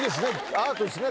アートですね